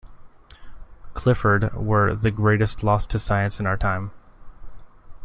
Clifford were "the greatest loss to science in our time".